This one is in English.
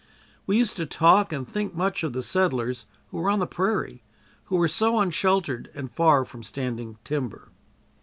We used to talk and think much of the settlers who were on the prairie who were so unsheltered and far from standing timber.